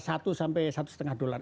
satu sampai satu lima dolar